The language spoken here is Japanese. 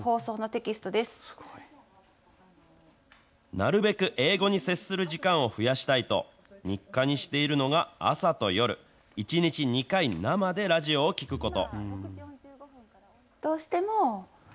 なるべく英語に接する時間を増やしたいと、日課にしているのが朝と夜、１にち２回、生でラジオを聴くこと。